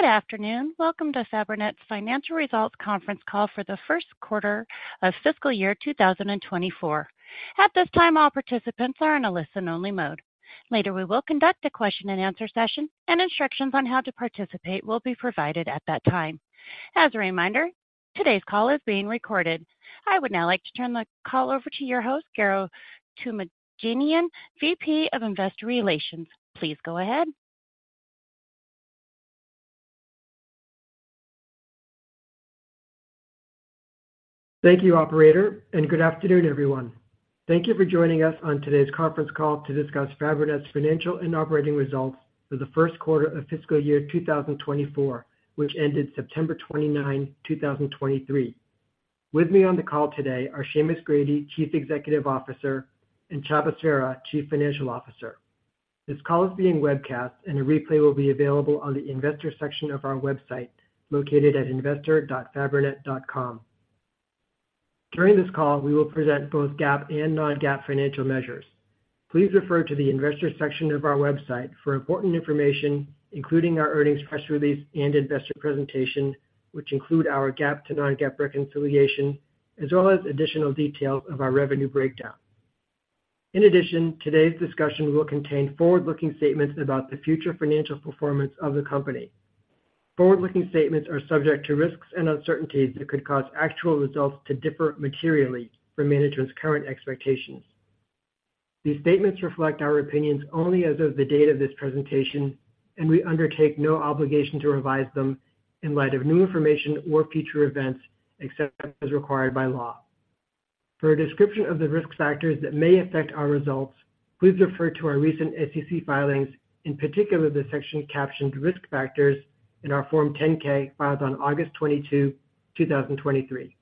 Good afternoon. Welcome to Fabrinet's Financial Results Conference Call for the first quarter of fiscal year 2024. At this time, all participants are in a listen-only mode. Later, we will conduct a question-and-answer session, and instructions on how to participate will be provided at that time. As a reminder, today's call is being recorded. I would now like to turn the call over to your host, Garo Toomajanian, VP of Investor Relations. Please go ahead. Thank you, operator, and good afternoon, everyone. Thank you for joining us on today's conference call to discuss Fabrinet's financial and operating results for the first quarter of fiscal year 2024, which ended September 29th, 2023. With me on the call today are Seamus Grady, Chief Executive Officer, and Csaba Cserra, Chief Financial Officer. This call is being webcast, and a replay will be available on the investor section of our website, located at investor.fabrinet.com. During this call, we will present both GAAP and non-GAAP financial measures. Please refer to the investor section of our website for important information, including our earnings press release and investor presentation, which include our GAAP to non-GAAP reconciliation, as well as additional details of our revenue breakdown. In addition, today's discussion will contain forward-looking statements about the future financial performance of the company. Forward-looking statements are subject to risks and uncertainties that could cause actual results to differ materially from management's current expectations. These statements reflect our opinions only as of the date of this presentation, and we undertake no obligation to revise them in light of new information or future events, except as required by law. For a description of the risk factors that may affect our results, please refer to our recent SEC filings, in particular, the section captioned Risk Factors in our Form 10-K, filed on August 22, 2023.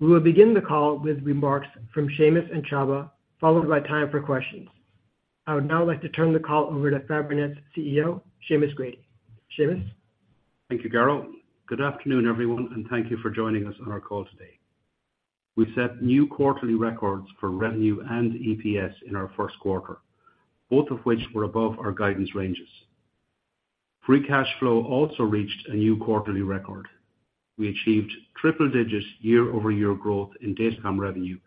We will begin the call with remarks from Seamus and Csaba, followed by time for questions. I would now like to turn the call over to Fabrinet's CEO, Seamus Grady. Seamus? Thank you, Garo. Good afternoon, everyone, and thank you for joining us on our call today. We set new quarterly records for revenue and EPS in our first quarter, both of which were above our guidance ranges. Free cash flow also reached a new quarterly record. We achieved triple digits year-over-year growth in Datacom revenue,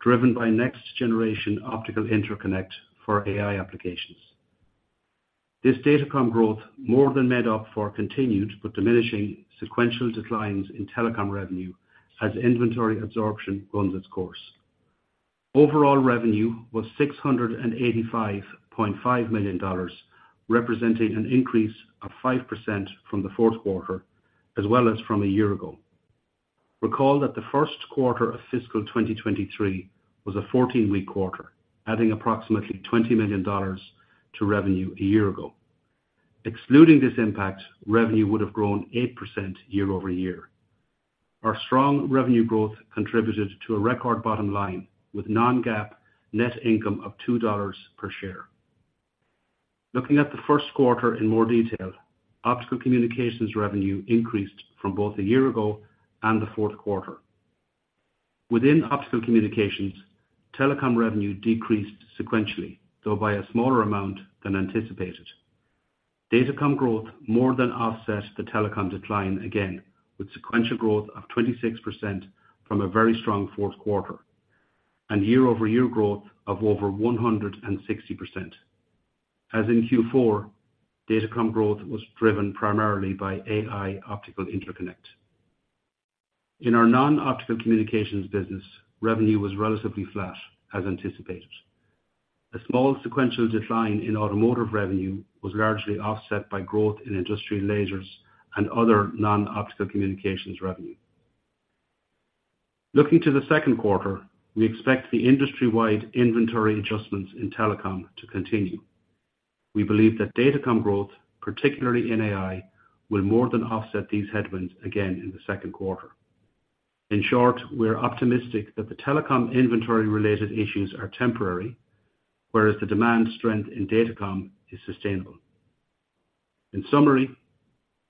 driven by next generation optical interconnect for AI applications. This Datacom growth more than made up for continued but diminishing sequential declines in Telecom revenue as inventory absorption runs its course. Overall revenue was $685.5 million, representing an increase of 5% from the fourth quarter, as well as from a year ago. Recall that the first quarter of fiscal 2023 was a 14-week quarter, adding approximately $20 million to revenue a year ago. Excluding this impact, revenue would have grown 8% year-over-year. Our strong revenue growth contributed to a record bottom line, with non-GAAP net income of $2 per share. Looking at the first quarter in more detail, Optical Communications revenue increased from both a year ago and the fourth quarter. Within Optical Communications, Telecom revenue decreased sequentially, though by a smaller amount than anticipated. Datacom growth more than offset the Telecom decline, again, with sequential growth of 26% from a very strong fourth quarter, and year-over-year growth of over 160%. As in Q4, Datacom growth was driven primarily by AI optical interconnect. In our non-optical communications business, revenue was relatively flat, as anticipated. A small sequential decline in automotive revenue was largely offset by growth in industrial lasers and other non-optical communications revenue. Looking to the second quarter, we expect the industry-wide inventory adjustments in Telecom to continue. We believe that Datacom growth, particularly in AI, will more than offset these headwinds again in the second quarter. In short, we are optimistic that the Telecom inventory-related issues are temporary, whereas the demand strength in Datacom is sustainable. In summary,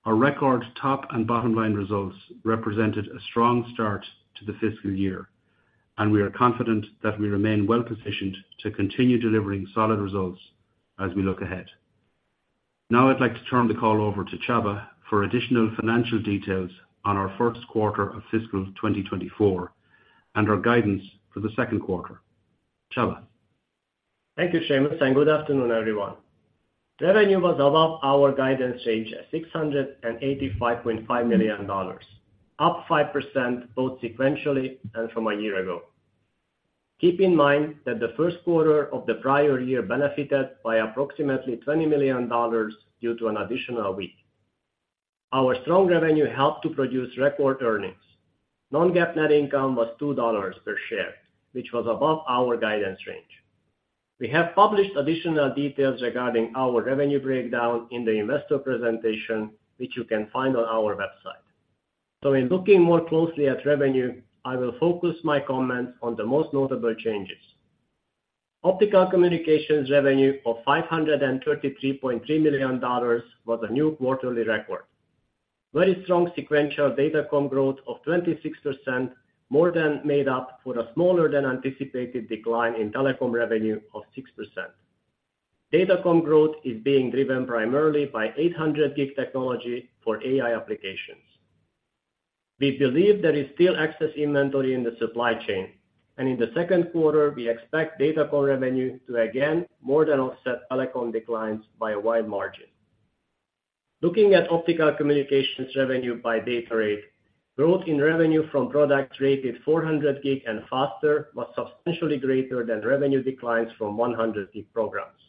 our record top and bottom line results represented a strong start to the fiscal year, and we are confident that we remain well positioned to continue delivering solid results as we look ahead. Now, I'd like to turn the call over to Csaba for additional financial details on our first quarter of fiscal 2024 and our guidance for the second quarter. Csaba? Thank you, Seamus, and good afternoon, everyone. Revenue was above our guidance range at $685.5 million, up 5%, both sequentially and from a year ago. Keep in mind that the first quarter of the prior year benefited by approximately $20 million due to an additional week. Our strong revenue helped to produce record earnings. Non-GAAP net income was $2 per share, which was above our guidance range. We have published additional details regarding our revenue breakdown in the investor presentation, which you can find on our website. In looking more closely at revenue, I will focus my comments on the most notable changes. Optical Communications revenue of $533.3 million was a new quarterly record. Very strong sequential Datacom growth of 26%, more than made up for a smaller than anticipated decline in Telecom revenue of 6%. Datacom growth is being driven primarily by 800G technology for AI applications. We believe there is still excess inventory in the supply chain, and in the second quarter, we expect Datacom revenue to again more than offset Telecom declines by a wide margin. Looking at Optical Communications revenue by data rate, growth in revenue from products rated 400G and faster was substantially greater than revenue declines from 100G programs.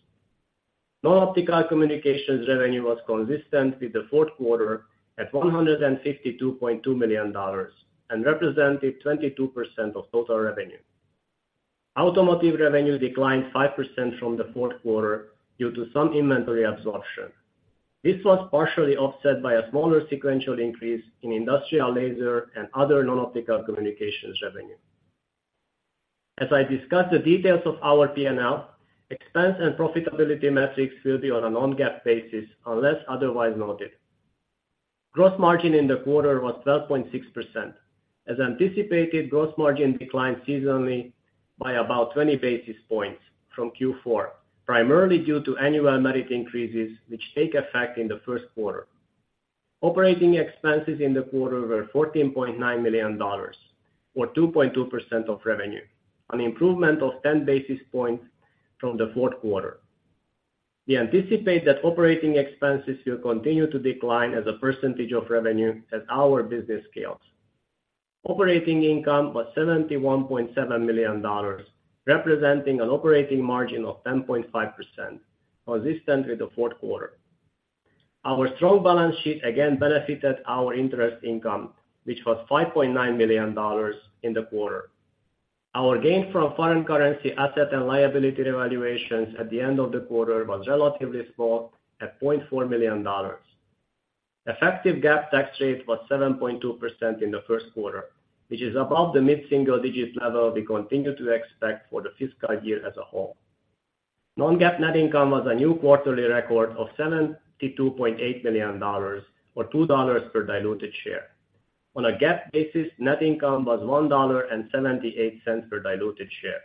Non-optical communications revenue was consistent with the fourth quarter at $152.2 million and represented 22% of total revenue. Automotive revenue declined 5% from the fourth quarter due to some inventory absorption. This was partially offset by a smaller sequential increase in industrial laser and other non-optical communications revenue. As I discuss the details of our P&L, expense and profitability metrics will be on a non-GAAP basis unless otherwise noted. Gross margin in the quarter was 12.6%. As anticipated, gross margin declined seasonally by about 20 basis points from Q4, primarily due to annual merit increases, which take effect in the first quarter. Operating expenses in the quarter were $14.9 million, or 2.2% of revenue, an improvement of 10 basis points from the fourth quarter. We anticipate that operating expenses will continue to decline as a percentage of revenue as our business scales. Operating income was $71.7 million, representing an operating margin of 10.5%, consistent with the fourth quarter. Our strong balance sheet again benefited our interest income, which was $5.9 million in the quarter. Our gain from foreign currency asset and liability revaluations at the end of the quarter was relatively small, at $0.4 million. Effective GAAP tax rate was 7.2% in the first quarter, which is above the mid-single digit level we continue to expect for the fiscal year as a whole. Non-GAAP net income was a new quarterly record of $72.8 million or $2 per diluted share. On a GAAP basis, net income was $1.78 per diluted share.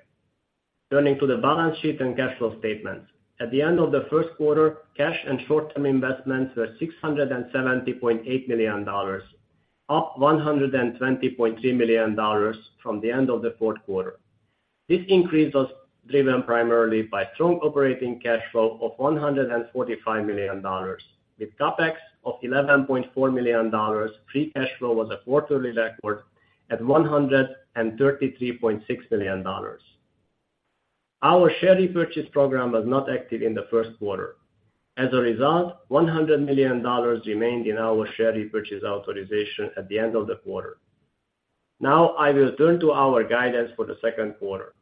Turning to the balance sheet and cash flow statements. At the end of the first quarter, cash and short-term investments were $670.8 million, up $120.3 million from the end of the fourth quarter. This increase was driven primarily by strong operating cash flow of $145 million. With CapEx of $11.4 million, free cash flow was a quarterly record at $133.6 million. Our share repurchase program was not active in the first quarter. As a result, $100 million remained in our share repurchase authorization at the end of the quarter. Now, I will turn to our guidance for the second quarter.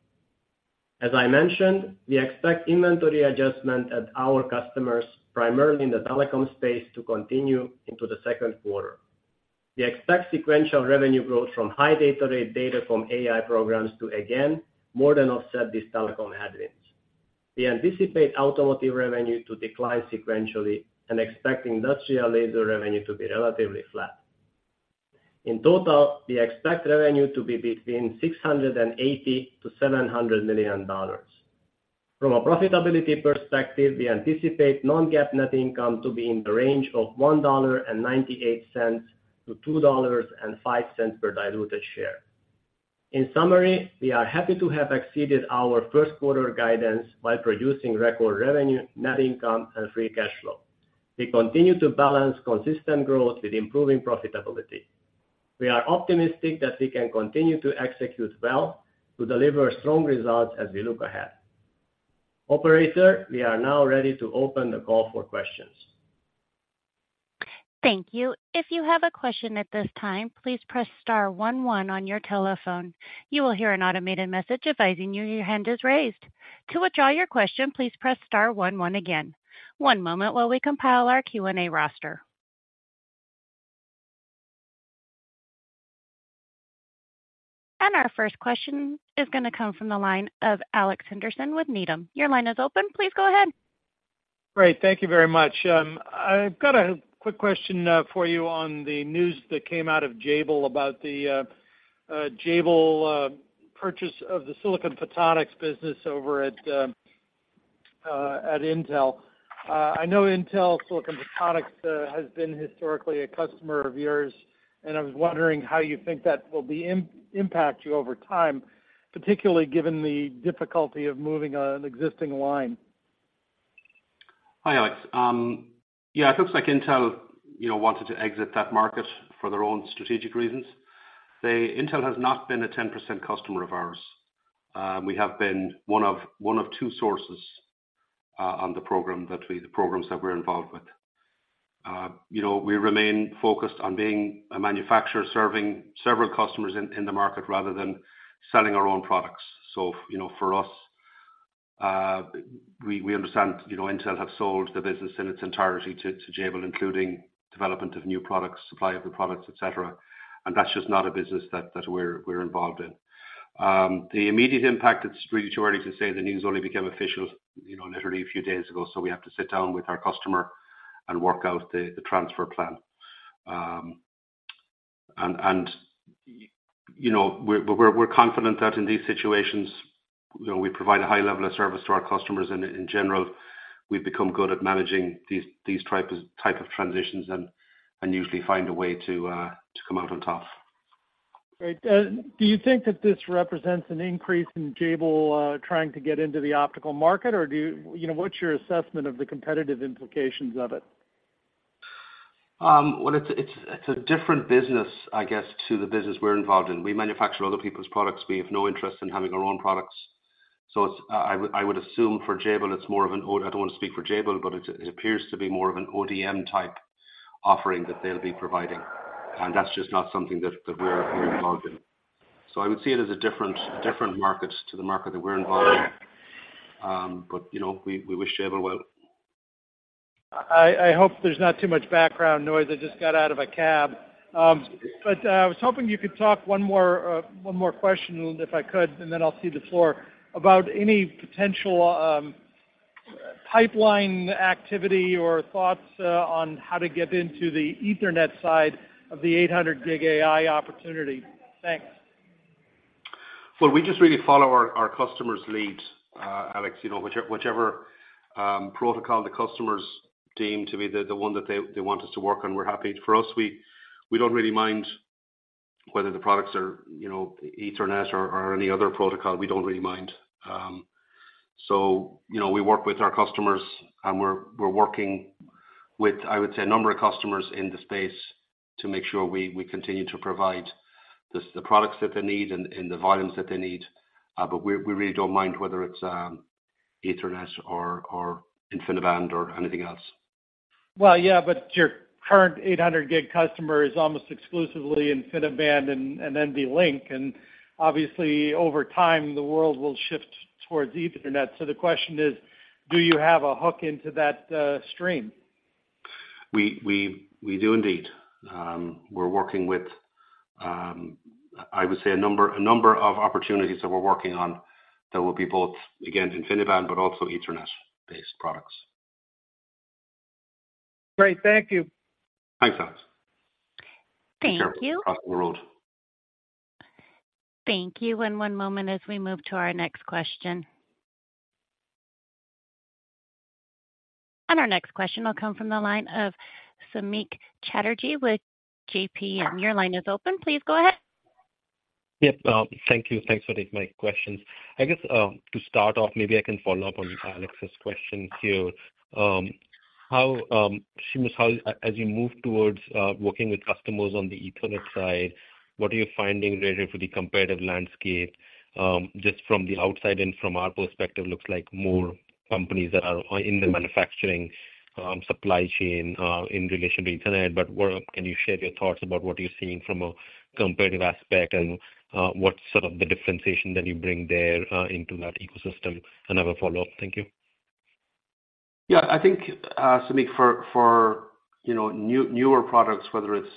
As I mentioned, we expect inventory adjustment at our customers, primarily in the telecom space, to continue into the second quarter. We expect sequential revenue growth from high data rate Datacom from AI programs to again more than offset these telecom headwinds. We anticipate automotive revenue to decline sequentially and expect industrial laser revenue to be relatively flat. In total, we expect revenue to be between $680 million to $700 million. From a profitability perspective, we anticipate non-GAAP net income to be in the range of $1.98-$2.05 per diluted share. In summary, we are happy to have exceeded our first quarter guidance by producing record revenue, net income and free cash flow. We continue to balance consistent growth with improving profitability. We are optimistic that we can continue to execute well to deliver strong results as we look ahead. Operator, we are now ready to open the call for questions. Thank you. If you have a question at this time, please press star one one on your telephone. You will hear an automated message advising you your hand is raised. To withdraw your question, please press star one one again. One moment while we compile our Q&A roster. Our first question is going to come from the line of Alex Henderson with Needham. Your line is open. Please go ahead. Great. Thank you very much. I've got a quick question for you on the news that came out of Jabil about the Jabil purchase of the Silicon Photonics business over at Intel. I know Intel Silicon Photonics has been historically a customer of yours, and I was wondering how you think that will impact you over time, particularly given the difficulty of moving an existing line. Hi, Alex. Yeah, it looks like Intel, you know, wanted to exit that market for their own strategic reasons. They, Intel has not been a 10% customer of ours. We have been one of, one of two sources, on the program that we, the programs that we're involved with. You know, we remain focused on being a manufacturer, serving several customers in, in the market rather than selling our own products. So, you know, for us, we, we understand, you know, Intel have sold the business in its entirety to, to Jabil, including development of new products, supply of the products, et cetera. And that's just not a business that, that we're, we're involved in. The immediate impact, it's really too early to say. The news only became official, you know, literally a few days ago, so we have to sit down with our customer and work out the transfer plan. You know, we're confident that in these situations, you know, we provide a high level of service to our customers, and in general, we've become good at managing these type of transitions and usually find a way to come out on top. Great. Do you think that this represents an increase in Jabil trying to get into the optical market? Or do you... You know, what's your assessment of the competitive implications of it? Well, it's a different business, I guess, to the business we're involved in. We manufacture other people's products. We have no interest in having our own products. So, I would assume for Jabil, it's more of, I don't want to speak for Jabil, but it appears to be more of an ODM-type offering that they'll be providing, and that's just not something that we're involved in. So I would see it as a different market to the market that we're involved in. But, you know, we wish Jabil well. I hope there's not too much background noise. I just got out of a cab. But I was hoping you could talk one more question, if I could, and then I'll cede the floor, about any potential pipeline activity or thoughts on how to get into the Ethernet side of the 800G AI opportunity. Thanks. Well, we just really follow our customers' lead, Alex. You know, whichever protocol the customers deem to be the one that they want us to work on, we're happy. For us, we don't really mind whether the products are, you know, Ethernet or any other protocol. We don't really mind. So, you know, we work with our customers, and we're working with, I would say, a number of customers in the space to make sure we continue to provide the products that they need and the volumes that they need. But we really don't mind whether it's Ethernet or InfiniBand or anything else. Well, yeah, but your current 800G customer is almost exclusively InfiniBand and, and NVLink, and obviously, over time, the world will shift towards Ethernet. So the question is, do you have a hook into that stream? We do indeed. We're working with, I would say, a number of opportunities that we're working on that will be both, again, InfiniBand, but also Ethernet-based products. Great. Thank you. Thanks, Alex. Thank you. Across the world. Thank you, and one moment as we move to our next question. Our next question will come from the line of Samik Chatterjee with J.P. Morgan Your line is open. Please go ahead. Yep, thank you. Thanks for taking my questions. I guess, to start off, maybe I can follow up on Alex's question to you. How, Seamus, as you move towards working with customers on the Ethernet side, what are you finding relative to the competitive landscape? Just from the outside and from our perspective, looks like more companies that are in the manufacturing supply chain in relation to Ethernet. But what... Can you share your thoughts about what you're seeing from a competitive aspect, and what's sort of the differentiation that you bring there into that ecosystem? Another follow-up. Thank you. Yeah, I think, Samik, for you know, newer products, whether it's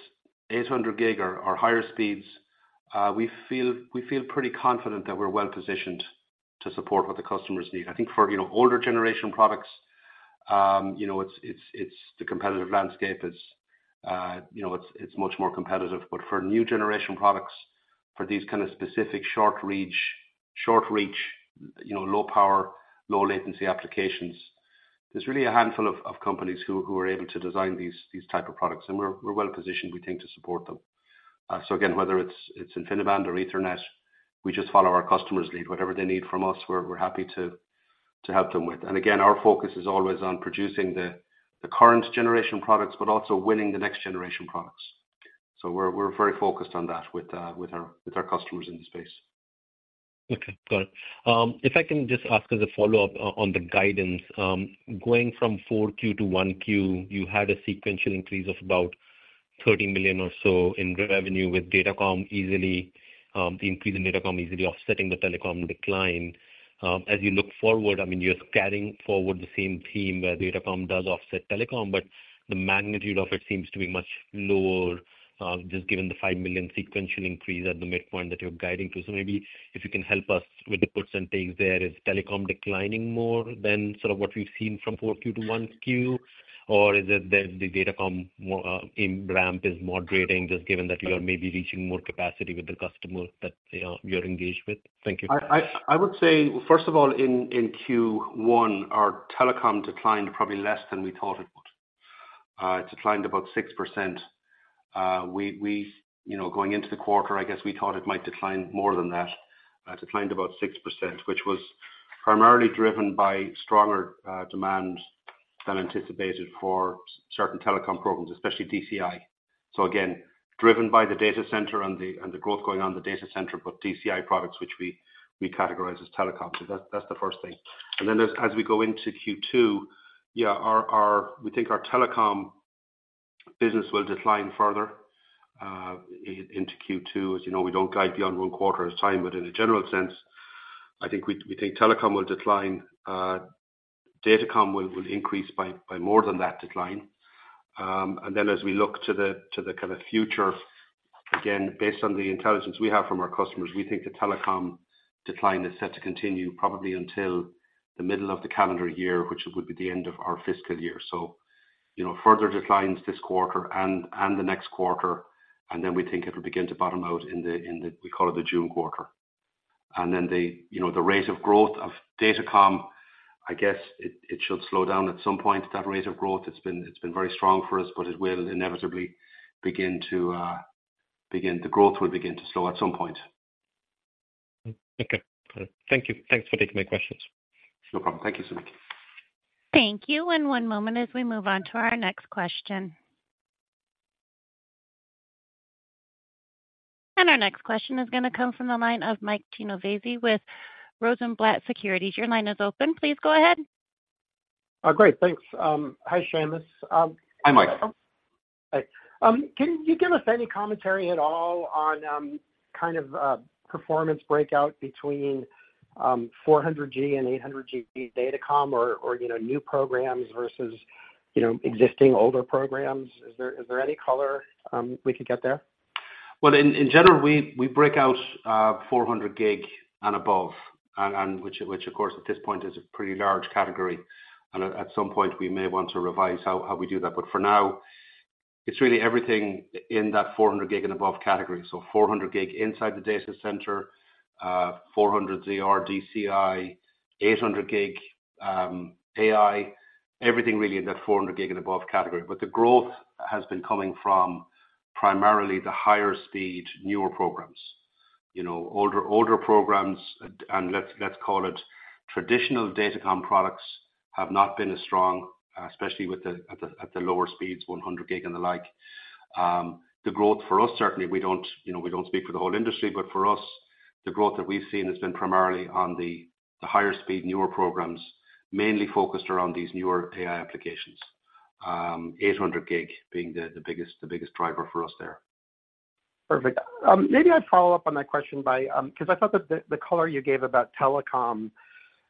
800G or higher speeds, we feel pretty confident that we're well positioned to support what the customers need. I think for you know, older generation products, you know, it's the competitive landscape is you know, it's much more competitive. But for new generation products, for these kind of specific short reach you know, low power, low latency applications, there's really a handful of companies who are able to design these type of products, and we're well positioned, we think, to support them. So again, whether it's InfiniBand or Ethernet, we just follow our customers' lead. Whatever they need from us, we're happy to help them with. And again, our focus is always on producing the current generation products, but also winning the next generation products. So we're very focused on that with our customers in the space. Okay, got it. If I can just ask as a follow-up on the guidance. Going from 4Q to 1Q, you had a sequential increase of about $13 million or so in revenue, with Datacom easily the increase in Datacom easily offsetting the Telecom decline. As you look forward, I mean, you're carrying forward the same theme where Datacom does offset Telecom, but the magnitude of it seems to be much lower, just given the $5 million sequential increase at the midpoint that you're guiding to. So maybe if you can help us with the percentages there, is Telecom declining more than sort of what we've seen from 4Q to 1Q? Or is it that the Datacom more in ramp is moderating, just given that you are maybe reaching more capacity with the customer that you're engaged with? Thank you. I would say, first of all, in Q1, our Telecom declined probably less than we thought it would. It declined about 6%. We you know, going into the quarter, I guess we thought it might decline more than that. It declined about 6%, which was primarily driven by stronger demand than anticipated for certain Telecom programs, especially DCI. So again, driven by the data center and the growth going on in the data center, but DCI products, which we categorize as Telecom. So that's the first thing. And then as we go into Q2, yeah, our Telecom business will decline further into Q2. As you know, we don't guide beyond one quarter at a time, but in a general sense-... I think we think Telecom will decline, Datacom will increase by more than that decline. And then as we look to the kind of future, again, based on the intelligence we have from our customers, we think the Telecom decline is set to continue probably until the middle of the calendar year, which would be the end of our fiscal year. So, you know, further declines this quarter and the next quarter, and then we think it will begin to bottom out in the, we call it the June quarter. And then, you know, the rate of growth of Datacom, I guess it should slow down at some point. That rate of growth, it's been very strong for us, but it will inevitably begin to, the growth will begin to slow at some point. Okay. Thank you. Thanks for taking my questions. No problem. Thank you so much. Thank you, and one moment as we move on to our next question. Our next question is going to come from the line of Michael Genovese with Rosenblatt Securities. Your line is open. Please go ahead. Great, thanks. Hi, Seamus. Hi, Mike. Hi. Can you give us any commentary at all on, kind of, performance breakout between 400G and 800G datacom or, or, you know, new programs versus, you know, existing older programs? Is there any color we could get there? Well, in general, we break out 400G and above, and which, of course, at this point is a pretty large category. At some point we may want to revise how we do that. But for now, it's really everything in that 400G and above category. So 400G inside the data center, 400 DR, DCI, 800G, AI, everything really in that 400G and above category. But the growth has been coming from primarily the higher speed, newer programs. You know, older programs and let's call it traditional datacom products, have not been as strong, especially at the lower speeds, 100G and the like. The growth for us, certainly we don't, you know, we don't speak for the whole industry, but for us, the growth that we've seen has been primarily on the higher speed, newer programs, mainly focused around these newer AI applications. 800G being the biggest driver for us there. Perfect. Maybe I'd follow up on that question by, because I thought that the color you gave about Telecom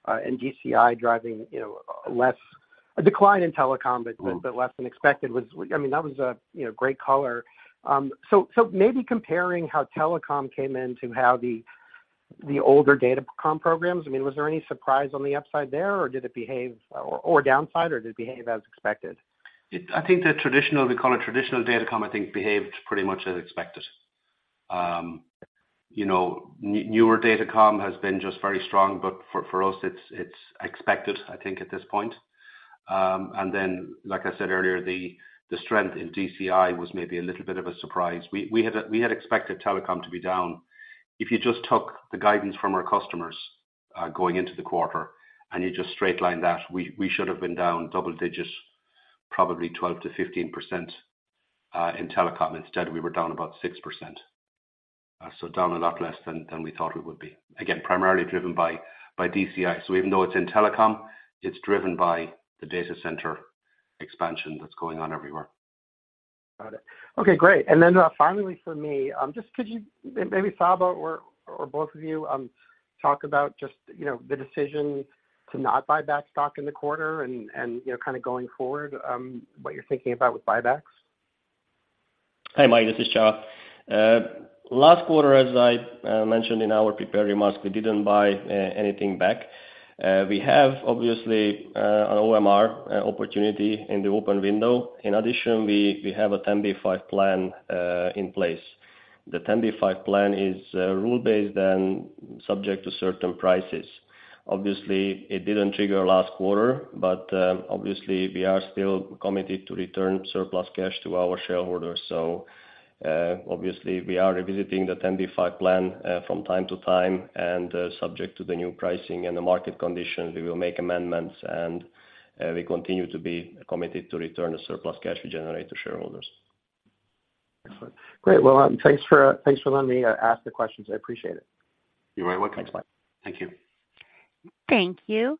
and DCI driving, you know, less a decline in Telecom, but less than expected was, I mean, that was a, you know, great color. So, maybe comparing how Telecom came in to how the older Datacom programs, I mean, was there any surprise on the upside there, or did it behave, or downside, or did it behave as expected? I think the traditional, we call it traditional Datacom, I think behaved pretty much as expected. You know, newer Datacom has been just very strong, but for, for us, it's, it's expected, I think, at this point. And then like I said earlier, the, the strength in DCI was maybe a little bit of a surprise. We, we had, we had expected Telecom to be down. If you just took the guidance from our customers, going into the quarter and you just straight lined that, we, we should have been down double digits, probably 12% to 15%, in Telecom. Instead, we were down about 6%. So down a lot less than, than we thought we would be. Again, primarily driven by, by DCI. So even though it's in Telecom, it's driven by the data center expansion that's going on everywhere. Got it. Okay, great. And then, finally, for me, just could you, maybe Csaba or, or both of you, talk about just, you know, the decision to not buy back stock in the quarter and, and, you know, kind of going forward, what you're thinking about with buybacks? Hi, Mike, this is Csaba. Last quarter, as I mentioned in our prepared remarks, we didn't buy anything back. We have obviously an OMR opportunity in the open window. In addition, we have a 10b5-1 plan in place. The 10b5-1 plan is rule-based and subject to certain prices. Obviously, it didn't trigger last quarter, but obviously, we are still committed to return surplus cash to our shareholders. So, obviously, we are revisiting the 10b5-1 plan from time to time, and subject to the new pricing and the market conditions, we will make amendments, and we continue to be committed to return the surplus cash we generate to shareholders. Excellent. Great, well, thanks for letting me ask the questions. I appreciate it. You're very welcome. Thanks a lot. Thank you. Thank you.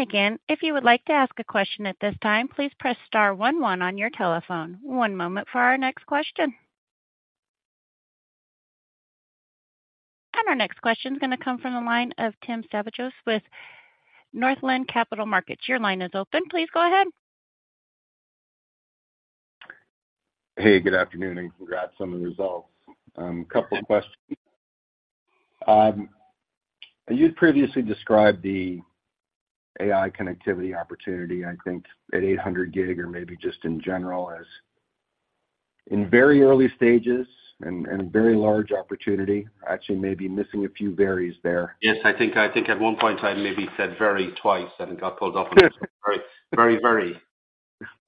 Again, if you would like to ask a question at this time, please press star one one on your telephone. One moment for our next question. Our next question is going to come from the line of Tim Savageaux with Northland Capital Markets. Your line is open. Please go ahead. Hey, good afternoon, and congrats on the results. A couple of questions. You'd previously described the AI connectivity opportunity, I think, at 800G or maybe just in general, as in very early stages and very large opportunity. I actually may be missing a few variables there. Yes, I think, I think at one point I maybe said very twice and got called off on very, very, very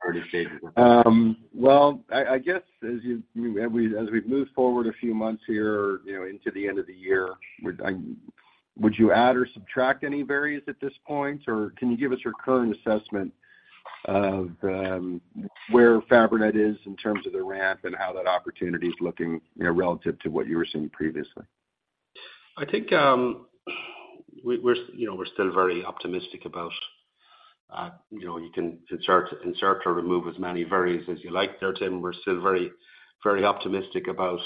early stages. Well, I guess as we've moved forward a few months here, you know, into the end of the year, would you add or subtract any variables at this point? Or can you give us your current assessment of where Fabrinet is in terms of the ramp and how that opportunity is looking, you know, relative to what you were seeing previously? I think, we're, you know, we're still very optimistic about—you know, you can insert or remove as many varies as you like there, Tim. We're still very, very optimistic about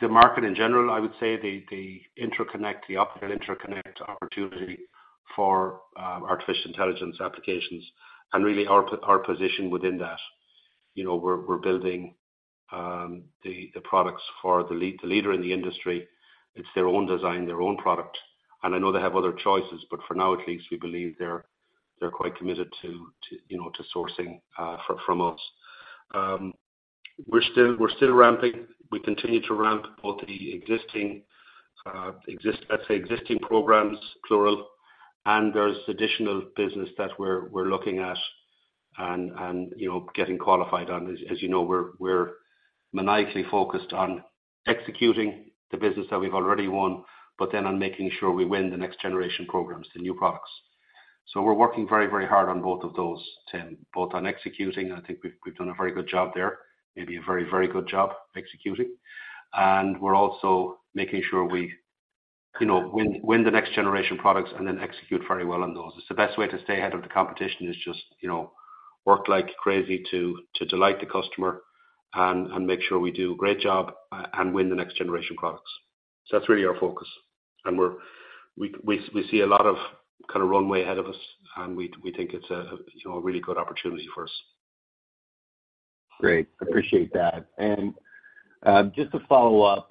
the market in general. I would say the interconnect, the optical interconnect opportunity for artificial intelligence applications and really our position within that. You know, we're, we're building the products for the leader in the industry. It's their own design, their own product, and I know they have other choices, but for now at least, we believe they're quite committed to, to, you know, to sourcing from us. We're still ramping. We continue to ramp both the existing programs, plural, and there's additional business that we're looking at and, you know, getting qualified on. As you know, we're maniacally focused on executing the business that we've already won, but then on making sure we win the next generation programs, the new products. So we're working very, very hard on both of those, Tim, both on executing, and I think we've done a very good job there, maybe a very, very good job executing. And we're also making sure we, you know, win the next generation products and then execute very well on those. It's the best way to stay ahead of the competition, is just, you know, work like crazy to delight the customer and make sure we do a great job and win the next generation products. So that's really our focus, and we see a lot of kind of runway ahead of us, and we think it's a you know, a really good opportunity for us. Great, appreciate that. And, just to follow up,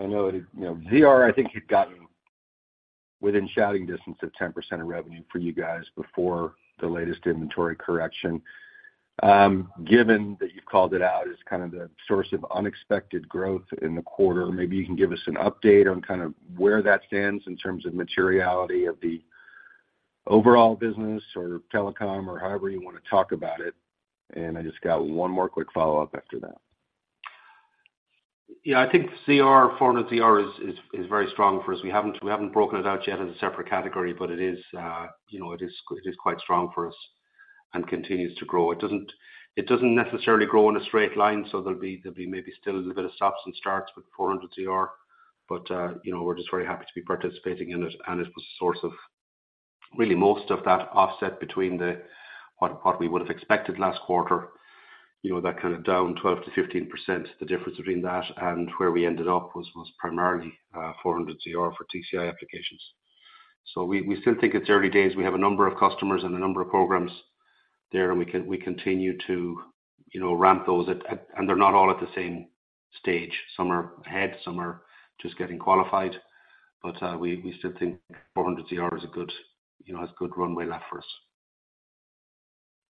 I know it, you know, ZR, I think you'd gotten within shouting distance of 10% of revenue for you guys before the latest inventory correction. Given that you've called it out as kind of the source of unexpected growth in the quarter, maybe you can give us an update on kind of where that stands in terms of materiality of the overall business or telecom or however you want to talk about it. And I just got one more quick follow-up after that. Yeah, I think 400ZR is very strong for us. We haven't broken it out yet as a separate category, but it is, you know, it is quite strong for us and continues to grow. It doesn't necessarily grow in a straight line, so there'll be maybe still a little bit of stops and starts with 400ZR, but, you know, we're just very happy to be participating in it, and it was a source of really most of that offset between the, what we would have expected last quarter. You know, that kind of down 12% to 15%, the difference between that and where we ended up was primarily 400ZR for DCI applications. So we still think it's early days. We have a number of customers and a number of programs there, and we continue to, you know, ramp those. And they're not all at the same stage. Some are ahead, some are just getting qualified. But we still think 400ZR is a good, you know, has good runway left for us.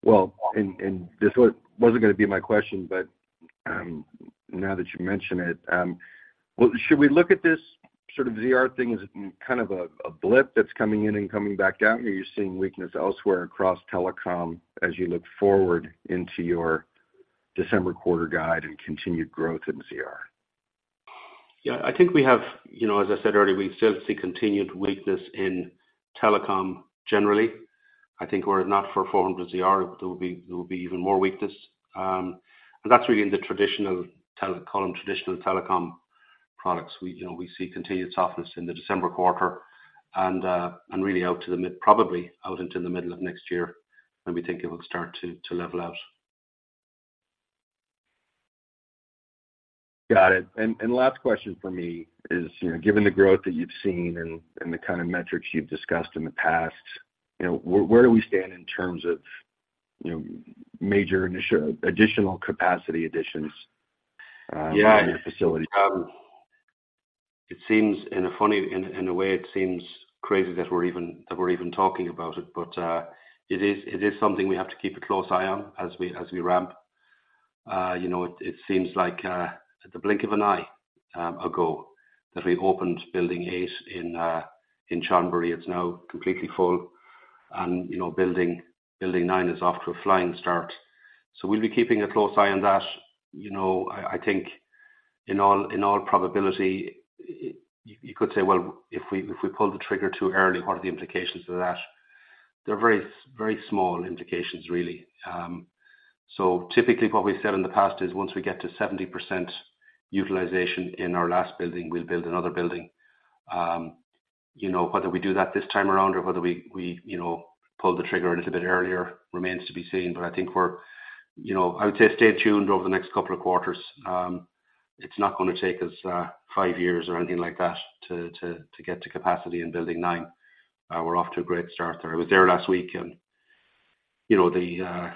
Well, and this was not gonna be my question, but now that you mention it, well, should we look at this sort of ZR thing as kind of a blip that's coming in and coming back out, or are you seeing weakness elsewhere across telecom as you look forward into your December quarter guide and continued growth in ZR? Yeah, I think we have, you know, as I said earlier, we still see continued weakness in Telecom generally. I think were it not for 400ZR, there would be even more weakness. And that's really in the traditional Telecom, call them traditional Telecom products. We, you know, we see continued softness in the December quarter and really out to the mid, probably out into the middle of next year, when we think it will start to level out. Got it. And last question for me is, you know, given the growth that you've seen and the kind of metrics you've discussed in the past, you know, where do we stand in terms of, you know, major additional capacity additions in your facilities? Yeah. In a way, it seems crazy that we're even talking about it, but it is something we have to keep a close eye on as we ramp. You know, it seems like at the blink of an eye ago that we opened Building 8 in Chonburi. It's now completely full and, you know, Building 9 is off to a flying start. So we'll be keeping a close eye on that. You know, I think in all probability you could say, "Well, if we pull the trigger too early, what are the implications of that?" They're very, very small implications, really. So typically what we've said in the past is once we get to 70% utilization in our last building, we'll build another building. You know, whether we do that this time around or whether we pull the trigger a little bit earlier, remains to be seen. But I think we're... You know, I would say stay tuned over the next couple of quarters. It's not gonna take us five years or anything like that to get to capacity in Building Nine. We're off to a great start there. I was there last week, and you know, the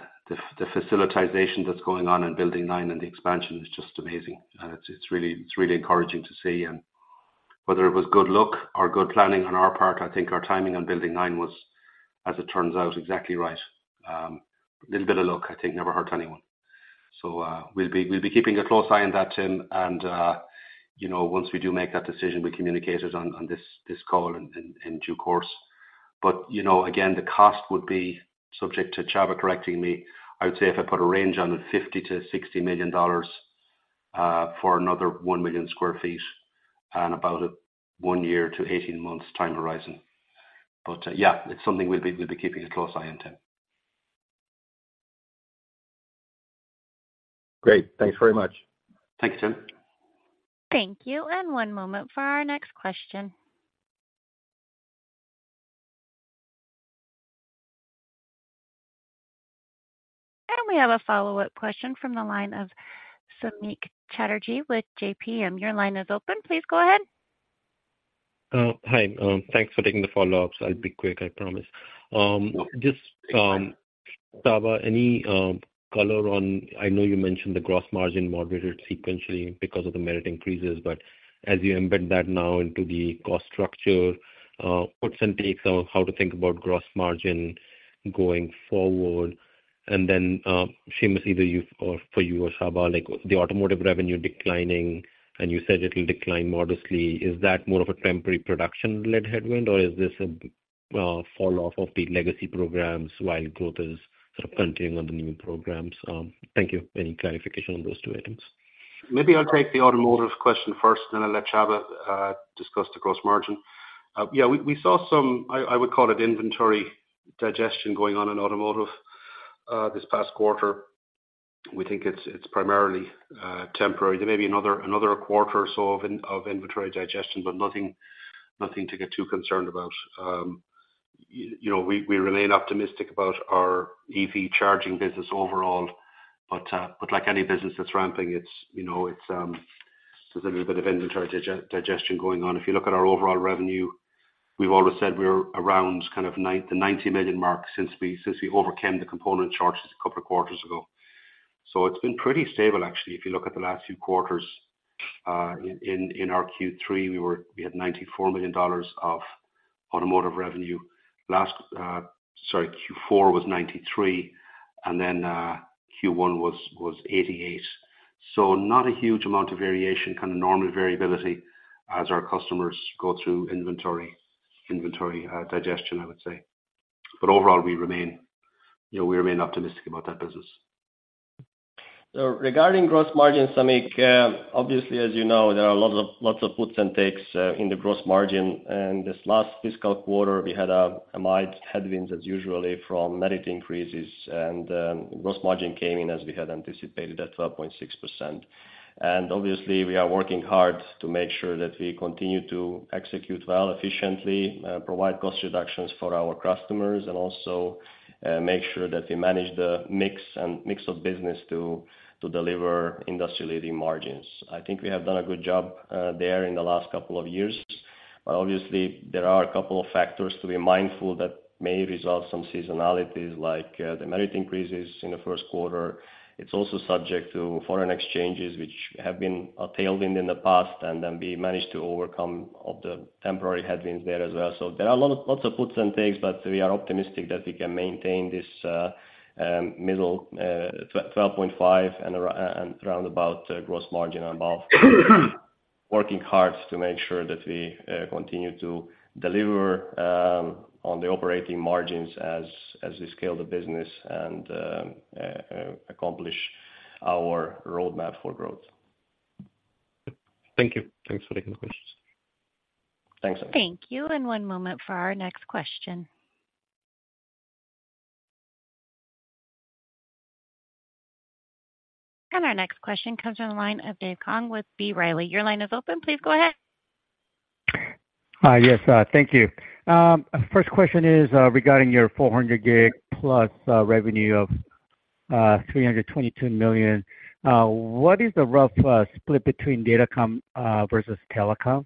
facilitation that's going on in Building Nine and the expansion is just amazing. It's really encouraging to see. And whether it was good luck or good planning on our part, I think our timing on Building Nine was, as it turns out, exactly right. Little bit of luck, I think, never hurt anyone. So, we'll be keeping a close eye on that, Tim, and, you know, once we do make that decision, we communicate it on this call in due course. But, you know, again, the cost would be subject to Csaba correcting me. I would say if I put a range on it, $50 to $60 million for another 1 million sq ft and about a one year to 18 months time horizon. But, yeah, it's something we'll be keeping a close eye on, Tim.... Great. Thanks very much. Thank you, Tim. Thank you, and one moment for our next question. We have a follow-up question from the line of Samik Chatterjee with J.P. Morgan. Your line is open. Please go ahead. Hi. Thanks for taking the follow-up. So I'll be quick, I promise. Just, Csaba, any color on... I know you mentioned the gross margin moderated sequentially because of the merit increases, but as you embed that now into the cost structure, puts and takes on how to think about gross margin going forward. Then, Seamus, either you or for you or Csaba, like, the automotive revenue declining, and you said it will decline modestly. Is that more of a temporary production-led headwind, or is this a fall off of the legacy programs while growth is sort of continuing on the new programs? Thank you. Any clarification on those two items? Maybe I'll take the automotive question first, then I'll let Csaba discuss the gross margin. Yeah, we saw some. I would call it inventory digestion going on in automotive this past quarter. We think it's primarily temporary. There may be another quarter or so of inventory digestion, but nothing to get too concerned about. You know, we remain optimistic about our EV charging business overall, but like any business that's ramping, it's, you know, it's, there's a little bit of inventory digestion going on. If you look at our overall revenue, we've always said we're around kind of the $90 million mark since we overcame the component charges a couple of quarters ago. So it's been pretty stable actually, if you look at the last few quarters. In our Q3, we had $94 million of automotive revenue. Last Q4 was $93 million, and then Q1 was $88 million. So not a huge amount of variation, kind of normal variability as our customers go through inventory digestion, I would say. But overall, we remain, you know, we remain optimistic about that business. So regarding gross margins, Samik, obviously, as you know, there are lots of puts and takes in the gross margin. This last fiscal quarter, we had a mild headwinds as usually from merit increases and gross margin came in as we had anticipated, at 12.6%. Obviously, we are working hard to make sure that we continue to execute well efficiently, provide cost reductions for our customers, and also, make sure that we manage the mix of business to deliver industry-leading margins. I think we have done a good job there in the last couple of years. But obviously, there are a couple of factors to be mindful that may result some seasonalities, like the merit increases in the first quarter. It's also subject to foreign exchanges, which have been tailwind in the past, and then we managed to overcome of the temporary headwinds there as well. So there are lots of puts and takes, but we are optimistic that we can maintain this middle 12.5 and roundabout gross margin and above. Working hard to make sure that we continue to deliver on the operating margins as we scale the business and accomplish our roadmap for growth. Thank you. Thanks for taking the questions. Thanks. Thank you, and one moment for our next question. Our next question comes from the line of Dave Kang with B. Riley. Your line is open. Please go ahead. Yes, thank you. First question is regarding your 400G+ revenue of $322 million. What is the rough split between Datacom versus Telecom?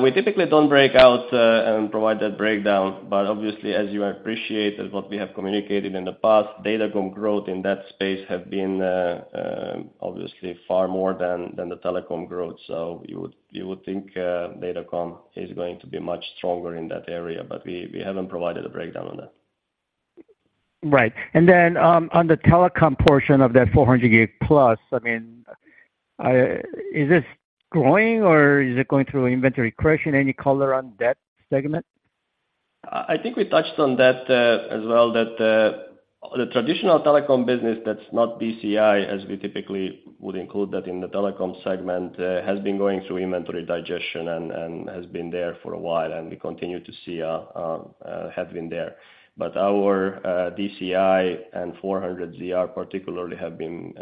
We typically don't break out and provide that breakdown, but obviously, as you appreciate that what we have communicated in the past, Datacom growth in that space have been obviously far more than the Telecom growth. So you would think Datacom is going to be much stronger in that area, but we haven't provided a breakdown on that. Right. And then, on the Telecom portion of that 400G+, I mean, is this growing or is it going through inventory correction? Any color on that segment? I think we touched on that as well, that the traditional telecom business that's not DCI, as we typically would include that in the Telecom segment, has been going through inventory digestion and has been there for a while, and we continue to see headwind there. But our DCI and 400ZR particularly have been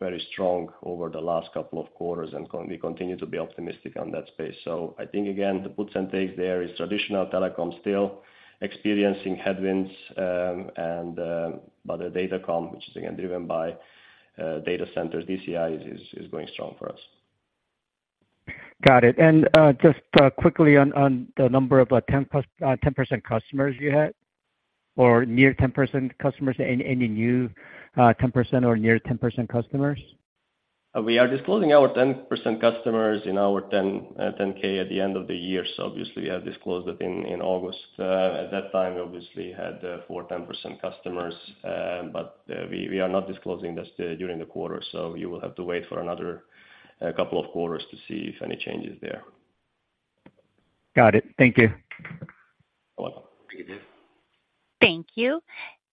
very strong over the last couple of quarters, and we continue to be optimistic on that space. So I think again, the puts and takes there is traditional telecom still experiencing headwinds, but the Datacom, which is again driven by data centers, DCI is going strong for us. Got it. Just quickly on the number of 10%+ customers you had, or near 10% customers. Any new 10% or near 10% customers? We are disclosing our 10% customers in our Form 10-K at the end of the year, so obviously we have disclosed it in August. At that time, we obviously had four 10% customers, but we are not disclosing this during the quarter, so you will have to wait for another couple of quarters to see if any changes there. Got it. Thank you. You're welcome. Thank you.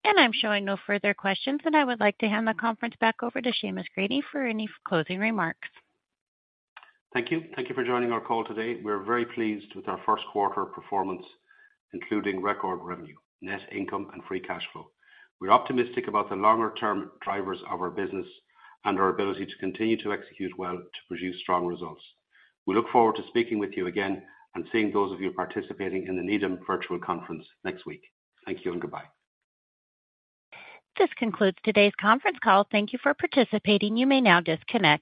I'm showing no further questions, and I would like to hand the conference back over to Seamus Grady for any closing remarks. Thank you. Thank you for joining our call today. We're very pleased with our first quarter performance, including record revenue, net income, and free cash flow. We're optimistic about the longer-term drivers of our business and our ability to continue to execute well to produce strong results. We look forward to speaking with you again and seeing those of you participating in the Needham Virtual Conference next week. Thank you and goodbye. This concludes today's conference call. Thank you for participating. You may now disconnect.